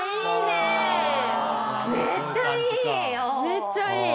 めっちゃいい。